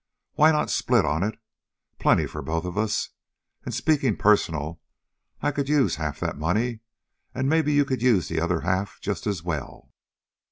Why not split on it? Plenty for both of us; and, speaking personal, I could use half that money, and maybe you could use the other half just as well!"